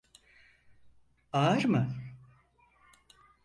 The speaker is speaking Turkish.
Ağır mı?